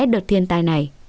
đợt thiên tai này